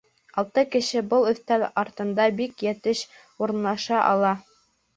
Алты кеше был өҫтәл артына бик йәтеш урынлаша ала